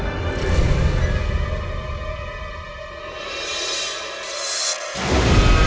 kenapa saya menyerangkannya